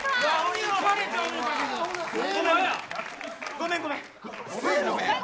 ごめん、ごめん。